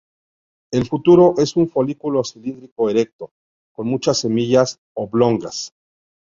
El fruto es un folículo cilíndrico erecto, con muchas semillas oblongas.